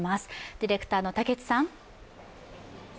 ディレターの武智さん。